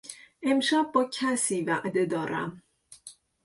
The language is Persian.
امشب با کسی وعده دارم.